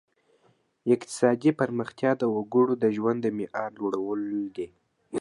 اقتصادي پرمختیا د وګړو د ژوند د معیار لوړول دي.